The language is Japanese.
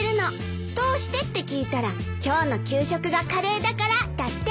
どうしてって聞いたら「今日の給食がカレーだから」だって。